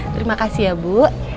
terima kasih ya bu